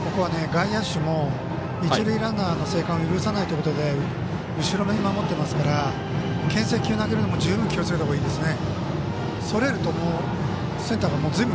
外野手も一塁ランナーの生還を許さないということで後ろめに守っていますからけん制球投げるのも十分気をつけた方がいいですね。